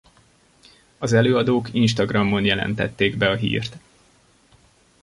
Az előadók Instagramon jelentették be a hírt.